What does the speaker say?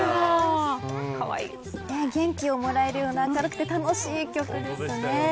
元気をもらえるような明るくて楽しい曲でしたね。